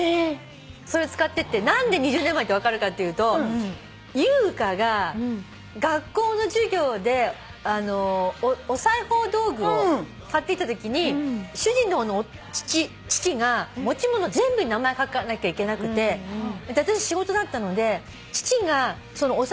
それ使ってて何で２０年前って分かるかっていうと優香が学校の授業でお裁縫道具を買ってきたときに主人の方の父が持ち物全部に名前書かなきゃいけなくて私仕事だったので父がお裁縫道具